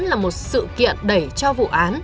là một sự kiện đẩy cho vụ án